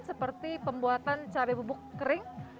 seperti pembuatan cabai bubuk kering